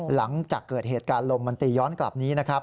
หลังจากเกิดเหตุการณ์ลมมันตีย้อนกลับนี้นะครับ